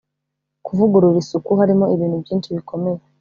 Kuvugurura isuku harimo ibintu byinshi bikomeye